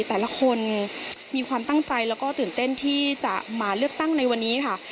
แต่ละคนมีความตั้งใจแล้วก็ตื่นเต้นที่จะมาเลือกตั้งในวันนี้ค่ะ